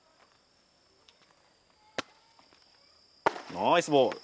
ナイスボール。